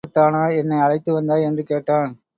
இவற்றைக் காட்டத்தானா என்னை அழைத்து வந்தாய்? என்று கேட்டான்.